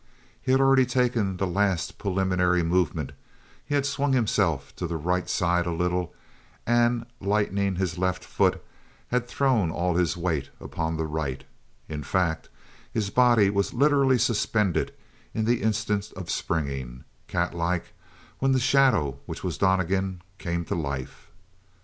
He had already taken the last preliminary movement he had swung himself to the right side a little and, lightening his left foot, had thrown all his weight upon the right in fact, his body was literally suspended in the instant of springing, catlike, when the shadow which was Donnegan came to life.